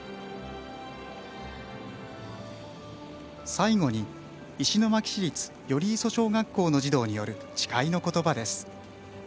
最後に石巻市立寄磯小学校の児童による誓いの言葉です。